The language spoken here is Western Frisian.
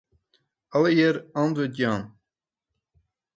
Allegearre antwurd jaan.